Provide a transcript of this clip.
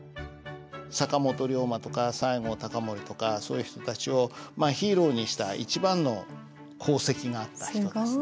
坂本龍馬とか西郷隆盛とかそういう人たちをヒーローにした一番の功績があった人ですね。